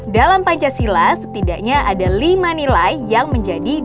dalam pancasila setidaknya ada lima nilai yang menjadi